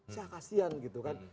siap kasian gitu kan